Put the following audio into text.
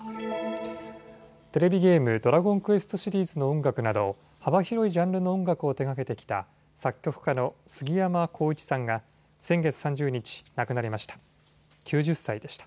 テレビゲーム、ドラゴンクエストシリーズの音楽など幅広いジャンルの音楽を手がけてきた作曲家のすぎやまこういちさんが先月３０日、亡くなりました。